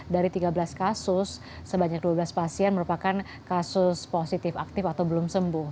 dari tiga belas kasus sebanyak dua belas pasien merupakan kasus positif aktif atau belum sembuh